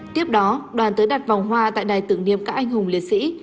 tiếp đó đoàn tới đặt vòng hoa tại đài tưởng niệm các anh hùng liệt sĩ